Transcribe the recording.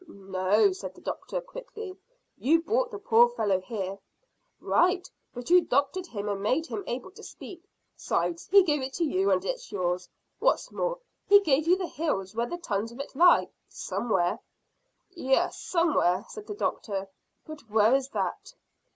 "No," said the doctor quickly. "You brought the poor fellow here." "Right, but you doctored him and made him able to speak. 'Sides, he gave it to you, and it's yours. What's more, he gave you the hills where the tons of it lie somewhere." "Yes, somewhere," said the doctor; "but where is that?"